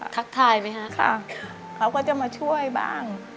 คักทายมั้ยคะค่ะก็จะมาช่วยบ้าง